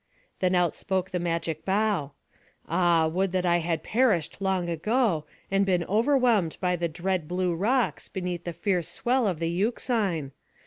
Then out spoke the magic bough: "Ah, would that I had perished long ago, and been whelmed by the dread blue rocks, beneath the fierce swell of the Euxine!